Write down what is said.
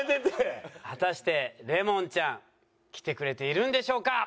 果たしてレモンちゃん来てくれているんでしょうか？